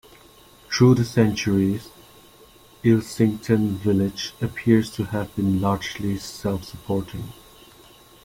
Through the centuries, Ilsington village appears to have been largely self-supporting.